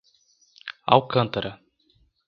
Alcântara